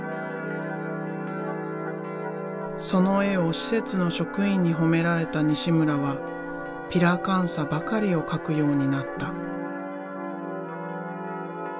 その絵を施設の職員に褒められた西村はピラカンサばかりを描くようになった。